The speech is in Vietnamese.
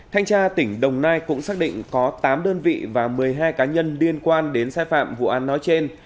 thanh tra tỉnh đồng nai cũng xác định có tám đơn vị và một mươi hai cá nhân liên quan đến sai phạm vụ án nói trên